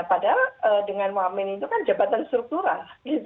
padahal dengan mohamed itu kan jabatan struktural